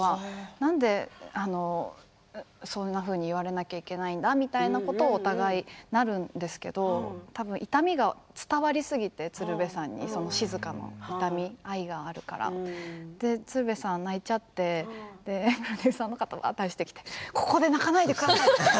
なんでそんなふうに言われなきゃいけないんだみたいなことにお互いになるんですけどたぶん痛みが伝わりすぎて鶴瓶さんに静の痛み、愛があるから鶴瓶さん泣いちゃってプロデューサーの方が走ってきてここで泣かないでください！って。